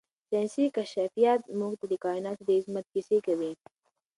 ساینسي کشفیات موږ ته د کائناتو د عظمت کیسې کوي.